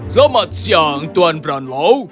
selamat siang tuan branlow